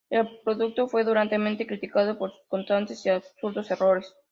El producto fue duramente criticado por sus constantes y absurdos errores.